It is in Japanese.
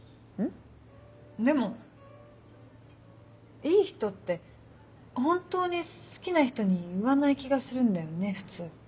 でも「いい人」って本当に好きな人に言わない気がするんだよね普通。